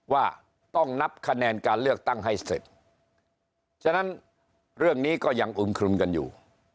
ว่าต้องนับคะแนนการเลือกตั้งให้เสร็จฉะนั้นเรื่องนี้ก็ยังอึมครึมกันอยู่